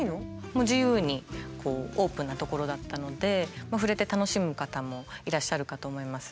もう自由にオープンな所だったので触れて楽しむ方もいらっしゃるかと思います。